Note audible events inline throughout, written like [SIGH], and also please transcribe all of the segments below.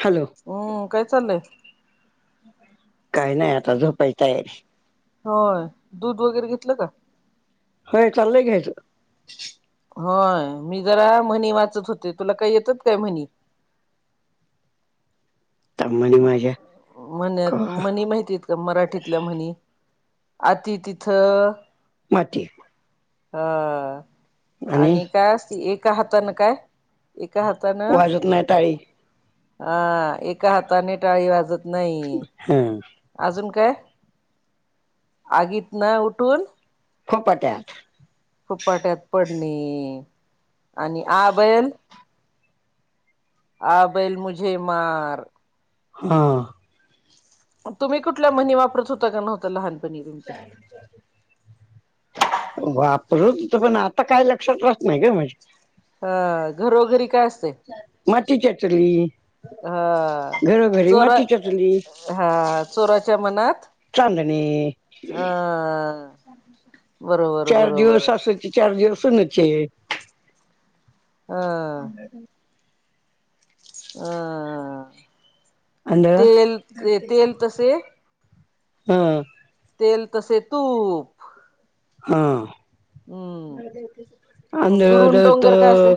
Hello हो काय चाललंय काही नाही आता झोपायची तयारी होय दूध वगैरे घेतलं का हो चाललय घायच होय मी जरा म्हणी वाचत होते, तुला काही येतात काय म्हणी? तम्मानी माझ्या म्हण्यात, क- म्हनी माहिती मराठीतल्या म्हणी आति तिथ माती. हा आणि काय असत एक हाता ना काय एका हाताानं वाजत नाही टाळी हा एका हाताने टाळी वाजत नाही. हं! अजून काय आगीत न उठून फुफाट्यात. फुफाट्यात पडणे आणि आ बैल आ बैल मुझे मार. हा! तुम्ही कुठल्या म्हणी वापरत होता का नव्हता लहानपणी तुमच्या. वापरत पण होतु पन आता काय लक्षात राहत नाही गं म्हजे. ता घरोघरी काय असतय मातीच्या चुली हा घरोघरी चोरा मातीच्या चुली हा चोराच्या मनात चांदने. हं! चार दिवस सासूचे चार दिवस सुनेचे. हा! [UNINTELLIGIBLE] अ आंधळ तेल, ते तेल तसे हं! तेल तसे तूप. हूं! ऊं! [UNINTELLIGIBLE] आंधळं असते दळतं,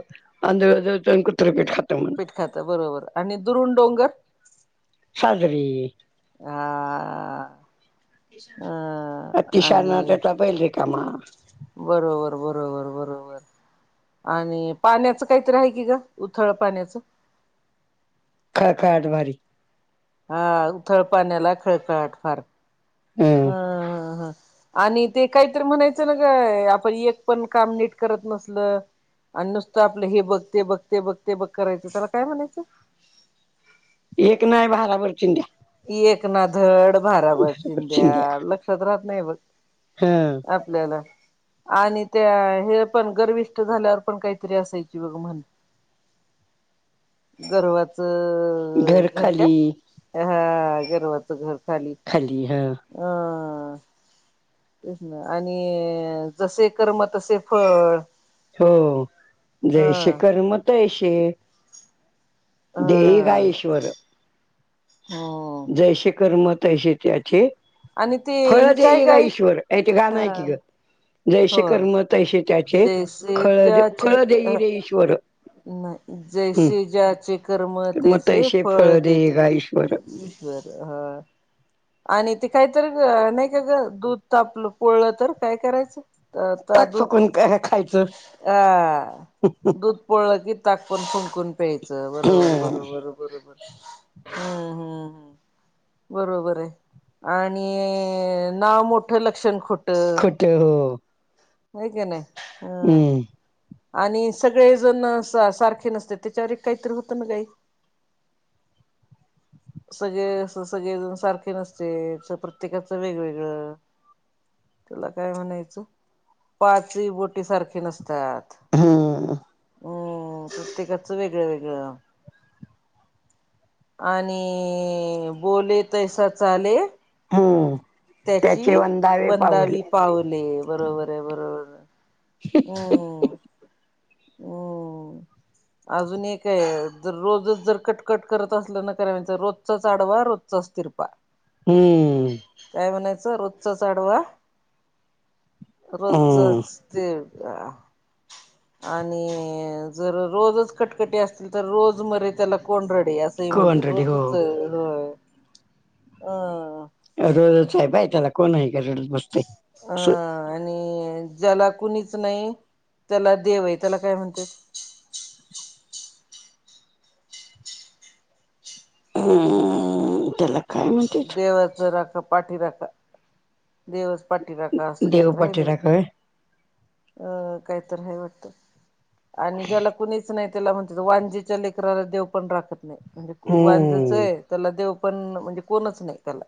आंधळं दळतं अण कुत्र पीठ खात म्हणे. पीठ खात बरोबर, आणि दुरुण डोंगर साजरे. हा! अं आणि अतिशहाणा त्याचा बैल रिकामा. बरोबर, बरोबर, बरोबर, बरोबर आणि पाण्याच काहीतरी आहे. की ज उथळ पाण्याचं. खळखळाट भारी. हा ऊंथळपाण्याला खळखळाट फार हं हा. आणि ते काहीतरी म्हणायचं ना गं आपण एक पण काम नीट करत नसल. आणि नुसतं आपलं हे बघ, ते बघ, ते बघ, ते बघ, करायचं त्याला काय म्हणायचं? एक नाही भाराभर चिंन्ध्या. एकना धड भाराभर चीन्ध्या चिंध्या लक्षात राहत नाही बघ हं! आपल्याला. आणि त्या हे पण गर्विष्ट झाल्यावर पण, काहीतरी असायची बघ म्हण. [INAUDIBLE] गर्वाचं घर खाली. हा गर्वाच घर खाली. खाली हा. अ. तेच ना आणि जसे कर्म तसे फळ. हो, ह जैसे कर्म तैसे ह देईगा ईश्वर. हो. जैसे कर्म तैसे त्याचे आणि ते फळ हि काय देईगा काय ईश्वर. ए ते गाणं आहे की ग. जैसे होय कर्म तैसे त्याचे जैसे ज्याचे क इश्‍वर नाही जैसे ज्याचे कर्म मग तैसे फळ देई देेते गा ईश्वर ई श्‍वर ह. आणि ते काहीतरी नाही काय ग दूध तापलं पोळलं तर काय करायचं. अ ता ताक दूध फकून काय खायचं अ दूध पोळलं की ताक पण फुंकून प्यायचं बरोबर हम्म बरोबर. बरोबर हम्म हम्म बरोबर आहे. आणि नाव मोठं लक्षण खोटं. [UNINTELLIGIBLE] हो हाय की नाही हम्म. आणि सगळे जण सा सारखे नसतेत त्याच्यावर एक काहीतरी होतं ना ग आई. सगळे अस सगळेजण सारखे नसते प्रत्येकाच वेगवेगळं. त्याला काय म्हणायचं? पाचही बोटी सारखी नसत्यात. हम्म हम्म प्रत्येकाच वेगळं वेगळं आण- आणि बोले तैसा चाले हम्म त्याचे वंधावे पाऊले. पाऊले बरोबर आहे बरोबर. आहे हम्म अं. [INAUDIBLE] अजून एक जर रोजच जर कटकट करत असल ना तर रोजचाच आडवा रोजचाच तिर बा हम्म काय म्हणायचं रोजचच आडवा हम्म. रोजचच तिरबा. आणि जर रोजच कटकटी असतील तर रोज मरे त्याला कोण रडे अस काही कोण म्हणतात रडे हो रोजच आहे हा अ. रोजच आहे बाई त्याला कोण आहे का रडत बसत. अ आणि ज्याला कुणीच नाही त्याला देव आहे त्याला काय म्हणत्यात? अं त्याला काय म्हणतेत देवाचा राखा पाठी राखा देवा पाटीराखा अस देव काहीतर हाय बई, पाठीरा काय अं काहीतर हाय वाटतं. आणि ज्याला कुणीच नाही त्याला म्हणतात, वांजेच्या लेकराला देव पण राखत नाही. म्हणजे हम्म वांजाचय त्याला देव पण म्हणजे कोणच नाही त्याला.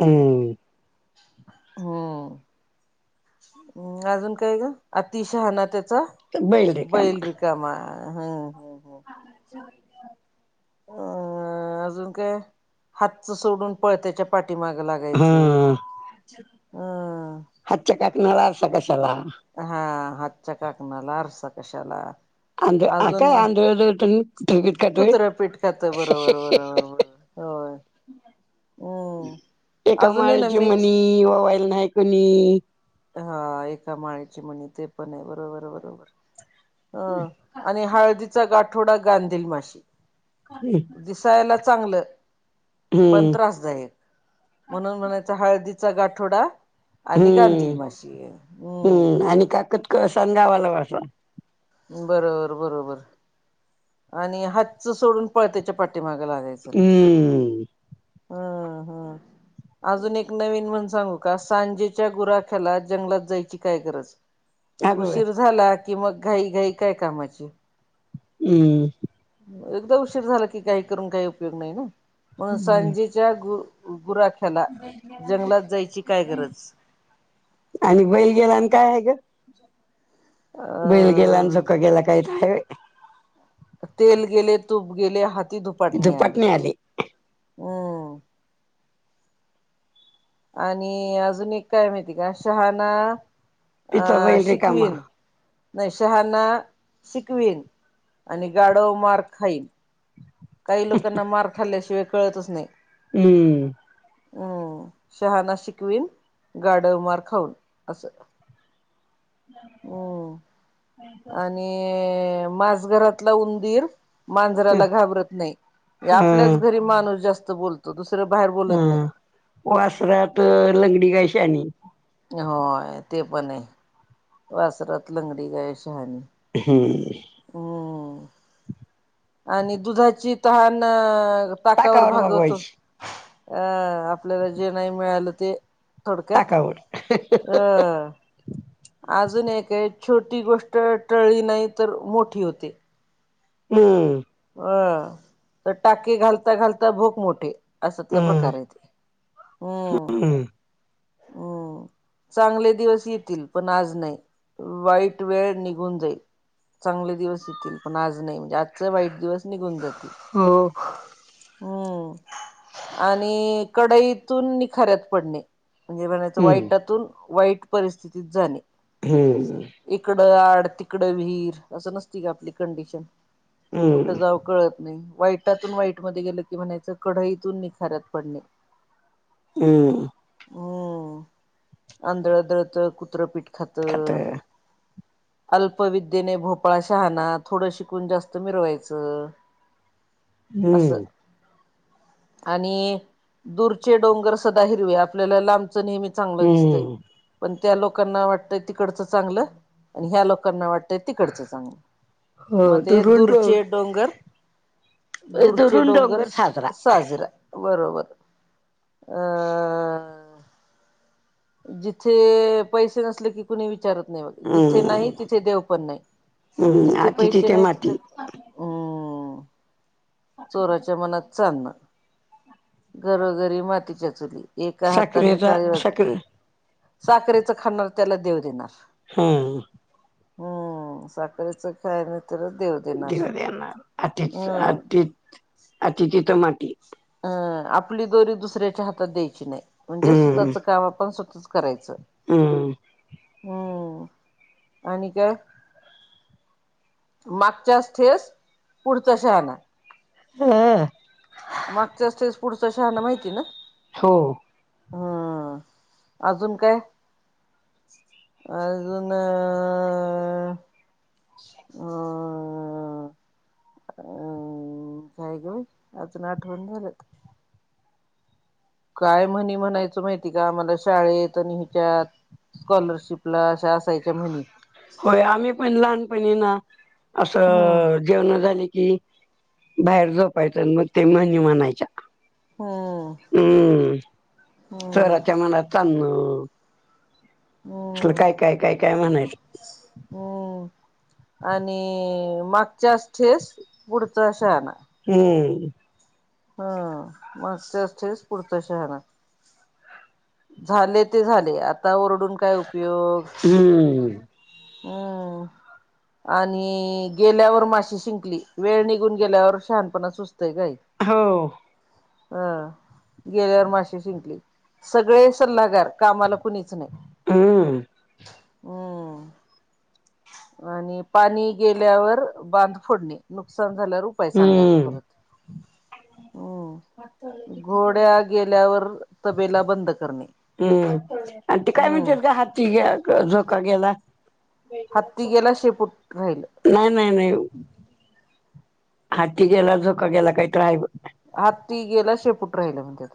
हूं... हा... हम् अजून काय ग अति शहाणा त्याचा बैल रिकामा हं... अच्छा अ अजून काय हातचं सोडून पळत्याच्या पाठीमागं लागणे. ह... हातच्या काकणाला आरसा कशाला. हां.. हातच्या काकणाला आरसा कशाला. आंध अजून काय नाही आंधळ दळतून ठोकीत काढतोय. कुत्रं पीट खातं बरोबर- बरोबर -बरोबर. होय हम्म एका अजूनही ना माळेचे मीच मणी, ववायला नाही कुणी. हा एका माळीचे मणी ते पण आहे बरोबर, बरोबर. अं आणि हळदीचा गाठोडा गांधेल माशी. आधिच तयाला चांगलं पण त्रासदायक म्हणून म्हणायचं हळदीचा गाठोडा आणि गांधी दिल हम्म माशी हूं.. हम्म आणि काकत कळसा आणि गावाला वळसा. बरोबर, बरोबर आणि हातचं सोडून पळत्याच्या पाठीमागं लागायचं. चला हम्म. [INAUDIBLE] अजून एक नवीन म्हण सांगू का? सांजेच्या गुराख्याला जंगलात जायची काय गरज. अगं बाई उशीर झाला कि मग घाई घाई काय कामाची? हूं.... एकदा उशीर झाला की घाई करून काही उपयोग नाही ना म्हणून हम्म सांजेच्या गु गुराख्याला जंगलात जायची काय गरज. आणि बैल गेला आणि काय आहे गं? अ बैल गेलान, झोका गेला कायतर हाय बई तेल गेले, तूप गेले, हाती धुपाटणी तिथं आले. पाटणी आली हम्म आणि अजून एक काय माहिती आहे का, शहाना तिचा अ बैल रिकामा शिकविन नाही शहाना शिकवीन आणि गाडव मार खाईन. काही लोकांना मार खाल्ल्याशिवाय कळतच नाही. हूं.... हम्म शहाणा शिकविन गाडव मार खाऊन असं. हु.. आणि माझघरातला उंदीर मांजराला घाबरत नाही मंजे हा आपल्याच घरी माणूस जास्त बोलतो, दुसरं बाहेर बोलत हा नाही. वासरात लंगडी काय शाणी होय ते पण आहे वासरात लंगडी गाय शहाणी. हं... हो. आणि दुधाची तहान ताकावर भागवतो. अं आपल्याला जे नाही मिळालं ते. थोडक्यात ताकावर अं. अजून एक आहे, छोटी गोष्ट टळली नाही तर मोठी होते. हूं! अ त टाके घालता घालता भोक मोठे, अश्यातला हम्म प्रकार आहे ते. हम्म [INAUDIBLE] हम्म. [INAUDIBLE] चांगले दिवस येतील पण आज नाही, वाईट वेळ निघून जाईल. चांगले दिवस येतील पण आज नाही, म्हणजे आजचा वाईट दिवस निघून जातील हो हूं आणि कडईतून निखाऱ्यात पडणे, म्हणजे म्हणायचं हम्म वाईटातून वाईट परिस्थितीत जाणे. हूं! इकडं आड तिकडं विहीर, असं नसती का आपली कंडिशन हम्म कुठं जाऊ कळत नाही वाईटातून वाईट मध्ये गेलं की म्हणायचं, कढईतून निखाऱ्या त पडणे. हूं! हूं आंधळदळत कुत्रं पीठ खात. खातं अल्पविद्येने भोपाळा शहाणा, थोडं शिकून जास्त मिरवायचं. असं! हम्म आणि दूरचे डोंगर सदा हिरवे, आपल्याला लांबचं नेहमी चांगलं दिसतय, हम्म पण त्या लोकांना वाटतंय तिकडच चांगलं, आणि ह्या लोकांना वाट तय तिकडचं चांगलं मग हो ते दुरून डोंग दुरचे डोंगर दुरचे डोंगर सं-सं! साजरा बरोबर अं! जिथे पैसे नसले, की कुणी विचारत नही मग. जिथे नाही हम्म तिथे देव पण नाही, हम्म जिथे आती पैसे नाही तिथे माती हम्म चोराच्या मनात चांदण, घरोघरी मातीच्या चुली. एका हाताने साखरेचा टाळी साखर वाजितो, साखरेचं खाणार त्याला देव देणार. हूं! हूं साखरेचं खाय नहीं त्याला देव देणार देव देणार, अतिच, हम्म. अति, अति तिथं माती. अं आपली दोरी दुसऱ्याच्या हातात द्यायची नाही. म्हणजे हम्म स्वतःच काम आपण, स्वतःच करायचं. हम्म हूं आणि काय? मागच्याच ठेस पुढचा शहाना. हं! मागच्यास ठेस पुढचा शहाना माहिती ना? हो! हम्म अजून काय? अजून अं! अ! अ काय ग बाई, आजून आठवूण झाल्यात. काय म्हणी म्हणायचो माहिती का आमाला शाळेत अणि हिच्यात स्कॉलरशिपला अश्या. होय आम्ही पण लहानपणी ये ना हम्म असं. जेवण झाले कि बाहेर झोपायचं मग ते म्हनी म्हणायच्या. हम्म हम्म हम्म चोराच्या मनात चांण. तू हम्म काय, काय, काय, काय म्हणायचं? हम्म. आणि मागच्यास ठेस पुढचा शाना. हम. हा मग ते असतेस पुढच्या शहरात. झाले ते झाले, आता ओरडून काय उपयोग? हम्म हम. आणि गेल्यावर माशी शिंकली. वेळ निघून गेल्यावर शहानपणा सुचतंय काय? हो. अ गेल्यावर माशी शिंकली, सगळे सल्लागार कामाला कुणीच नाही हम्म हम्म. आणि पाणी गेल्यावर बांध फोडणे. नुकसान झाल्यावर उपाय सांगायचे हम्म परत. हम्म. पातळ. घोड्या गेल्यावर तबेला बंद करणे. हम्म आणि ते काय हम्म म्हणत्यात ग हाती झोका गेला हत्ती गेला शेपूट राहिल. नाही, नाही, नाही हाती गेला झोका गेला काहीतरी हाय बग. हाती गेला शेपूट राहिला म्हणत्यात.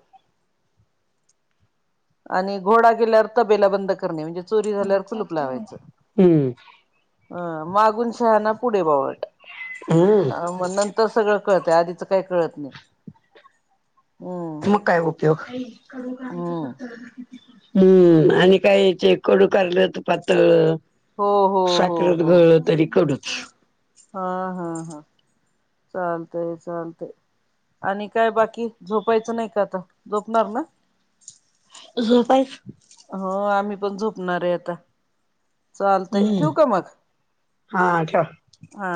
आणि घोडा केल्यावर तबेला बंद करणे, म्हणजे चोरी झाल्यावर कुलूप लावायचं. हम्म अ मागून शहाना पुढे भावळट. हम्म मग नंतर सगळं कळतंय, आधीचं काही कळत नाही हम्म. मग काय उपयोग? हम्म हम्म आणि काय ते कडू कारल तुपात तळलं. हो हो हो साखरत हो घोळलं तरी कडूच. हा हा हा चालतय, चालतंय. आणि काय बाकी झोपायचं नाही का आता झोपणार ना? झोपायच. हो आम्ही पण झोपणार आहे आता. चालतंय हम्म ठेवू का मग हा ठेव हा?